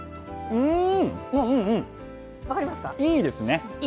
うん。